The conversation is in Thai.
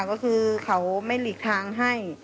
ก็คือเขาไม่หลีกทางให้